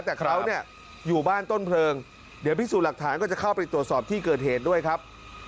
แต่เขาเนี่ยอยู่บ้านต้นเพลิงเดี๋ยวพิสูจน์หลักฐานก็จะเข้าไปตรวจสอบที่เกิดเหตุด้วยครับ